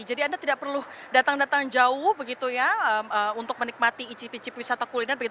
jadi anda tidak perlu datang datang jauh untuk menikmati ici ici wisata kuliner